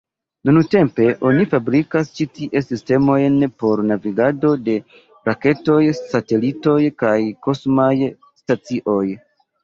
Nuntempe oni fabrikas ĉi tie sistemojn por navigado de raketoj, satelitoj kaj kosmaj stacioj.